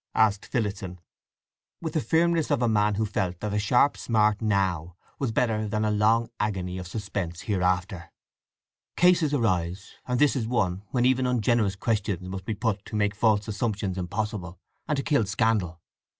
asked Phillotson, with the firmness of a man who felt that a sharp smart now was better than a long agony of suspense hereafter. "Cases arise, and this is one, when even ungenerous questions must be put to make false assumptions impossible, and to kill scandal."